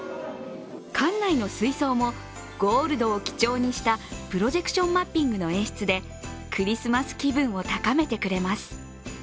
館内の水槽もゴールドを基調にしたプロジェクションマッピングの演出でクリスマス気分を高めてくれます。